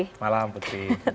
selamat malam putri